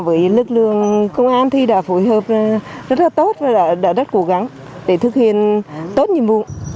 với lực lượng công an thì đã phối hợp rất là tốt và đã rất cố gắng để thực hiện tốt nhiệm vụ